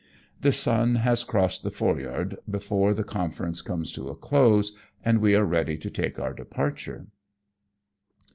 The sun has crossed the fore yard before the confer ence comes to a close, and we are ready to take our departure.